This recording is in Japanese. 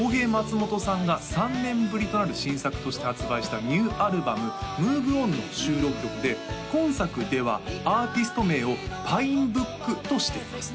ＨＥＩＭＡＴＳＵＭＯＴＯさんが３年ぶりとなる新作として発売したニューアルバム「ＭｏｖｅＯｎ」の収録曲で今作ではアーティスト名をＰｉｎｅＢｏｏｋとしています